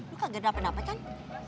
lu kagak ada apa apa kan